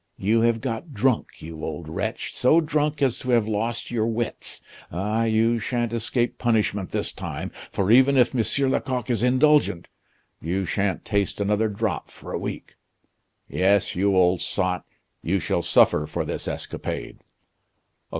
You have got drunk, you old wretch, so drunk as to have lost your wits. Ah, you shan't escape punishment this time, for even if M. Lecoq is indulgent, you shan't taste another drop for a week. Yes, you old sot, you shall suffer for this escapade."